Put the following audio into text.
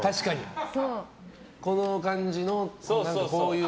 この感じの、こういう。